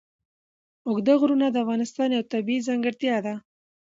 اوږده غرونه د افغانستان یوه طبیعي ځانګړتیا ده.